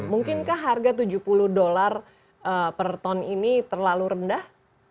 mungkinkah harga tujuh puluh dolar per ton ini terlalu rendah